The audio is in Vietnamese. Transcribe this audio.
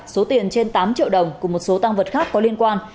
số tiền trên tám triệu đồng cùng một số tăng vật khác có liên quan